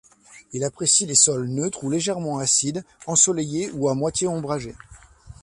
Il apprécie les sols neutres ou légèrement acides, ensoleillés ou à moitié ombragés.